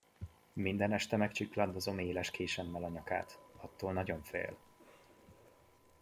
Minden este megcsiklandozom éles késemmel a nyakát; attól nagyon fél.